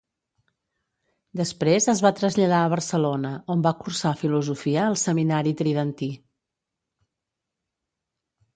Després es va traslladar a Barcelona on va cursar filosofia al Seminari Tridentí.